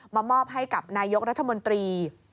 มามอบให้กับนายกรัฐมนตรี